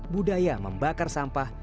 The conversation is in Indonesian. budaya membakar sampah